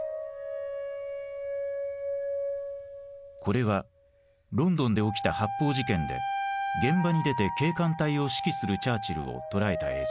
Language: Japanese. これはロンドンで起きた発砲事件で現場に出て警官隊を指揮するチャーチルを捉えた映像である。